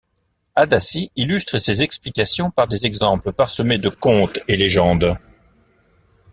Hadassi illustre ses explications par des exemples parsemés de contes et légendes.